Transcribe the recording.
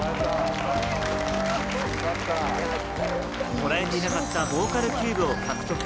もらえていなかった、ボーカルキューブを獲得。